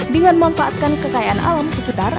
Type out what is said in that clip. dengan memanfaatkan kekayaan alam sekitar